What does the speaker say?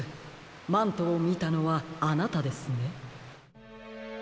マントをみたのはあなたですね。